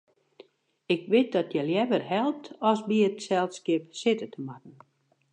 Ik wit dat hja leaver helpt as by it selskip sitte te moatten.